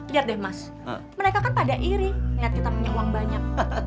lihat deh mas mereka kan pada iring lihat kita punya uang banyak